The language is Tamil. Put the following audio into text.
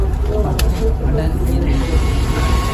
பக்திக் கடன் இது!